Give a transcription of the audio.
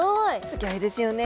すギョいですよね！